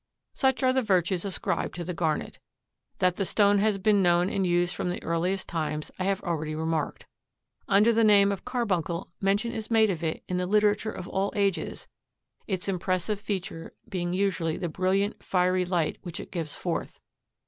Such are the virtues ascribed to the garnet. That the stone has been known and used from the earliest times I have already remarked. Under the name of carbuncle mention is made of it in the literature of all ages, its impressive feature being usually the brilliant, fiery light which it gives forth.